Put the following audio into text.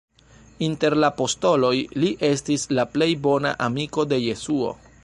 Inter la apostoloj, li estis la plej bona amiko de Jesuo.